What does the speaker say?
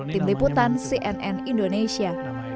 tim liputan cnn indonesia